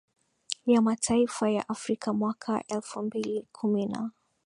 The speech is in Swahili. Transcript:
ya mataifa ya afrika mwaka elfu mbili kumi na